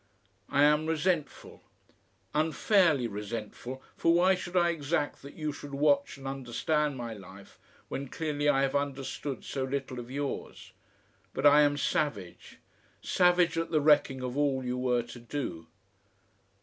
I am resentful. Unfairly resentful, for why should I exact that you should watch and understand my life, when clearly I have understood so little of yours. But I am savage savage at the wrecking of all you were to do.